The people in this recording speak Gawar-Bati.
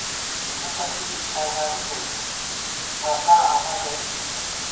زُو سَسی شاژادی بوئیت پردا آما دری تھِت